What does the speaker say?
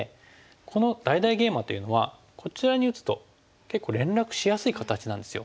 この大々ゲイマというのはこちらに打つと結構連絡しやすい形なんですよ。